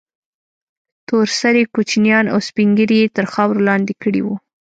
تور سرې كوچنيان او سپين ږيري يې تر خاورو لاندې كړي وو.